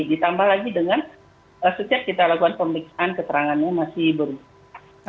ditambah lagi dengan setiap kita lakukan pemeriksaan keterangannya masih berubah